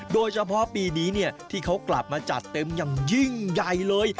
โดยเฉพาะปีนี้ที่เขากลับมาจัดเต็มอย่างยิ่งใหญ่เลย